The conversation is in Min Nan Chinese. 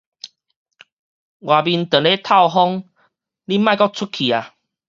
外面當咧透風，你莫閣出去矣